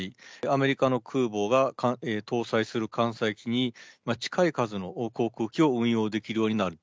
アメリカの空母が搭載する艦載機に近い数の航空機を運用できるようになる。